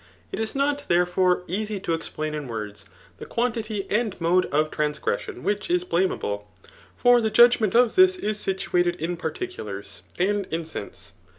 It is not^ therefore, cny to explain in^ words, the quantity and mode of transgresflioii wUch is bbuneable ; for die judgment of this is situatod in particulars, aad in sense.